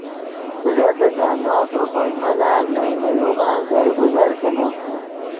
ڤزدیتآ نو تر خوئے ملن نئے نے یوغن درگزر کینے